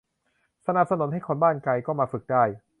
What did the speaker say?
สนับสนุนให้คนบ้านไกลก็มาฝึกได้